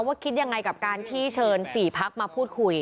คิดยังไงกับการที่เชิญ๔พักมาพูดคุย